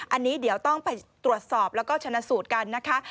อันนี้เดี๋ยวต้องไปตรวจสอบแล้วก็ชนะสูตรกันนะคะ